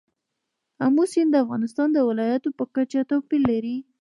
آمو سیند د افغانستان د ولایاتو په کچه توپیر لري.